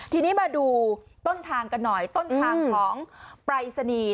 ทีนี้มาดูต้นทางกันหน่อยต้นทางของปรายศนีย์